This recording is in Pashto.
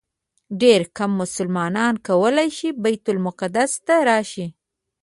ډېر کم مسلمانان کولی شي بیت المقدس ته راشي.